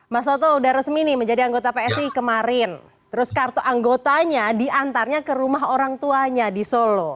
mas toto udah resmi nih menjadi anggota psi kemarin terus kartu anggotanya diantarnya ke rumah orang tuanya di solo